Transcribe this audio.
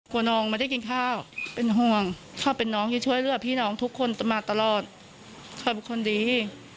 ขวานน้องไม่ได้กินข้าวเป็นห่วงข้าวเป็นน้องช่วยเลือดพี่น้องทุกคนมาตลอดความความความดี